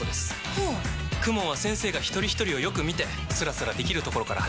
はぁＫＵＭＯＮは先生がひとりひとりをよく見てスラスラできるところから始めます。